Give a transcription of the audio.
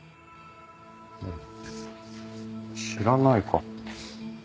知らないか。